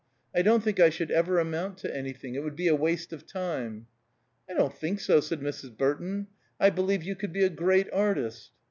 I don't think I should ever amount to anything. It would be a waste of time." "I don't think so," said Mrs. Burton. "I believe you could be a great artist."